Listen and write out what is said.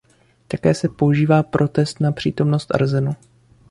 Také se používá pro test na přítomnost arsenu.